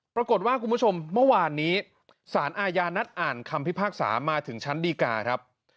ปรากฏว่าคุณผู้ชมเมื่อวานนี้ศาลอายานัดอ่านคำพิพากษามาถึงชั้นดีกา